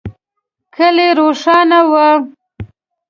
کلی روښانه و.